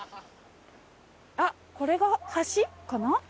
あっこれが橋かな？